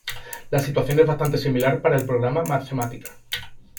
La situación es bastante similar para el programa Mathematica.